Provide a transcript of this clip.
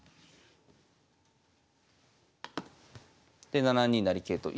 で７二成桂と。